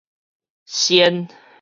鉎